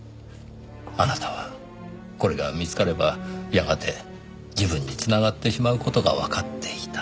あなたはこれが見つかればやがて自分に繋がってしまう事がわかっていた。